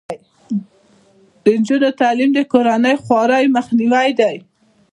د نجونو تعلیم د کورنۍ خوارۍ مخنیوی دی.